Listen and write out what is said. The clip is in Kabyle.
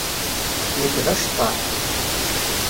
Nekk d aceṭṭaḥ.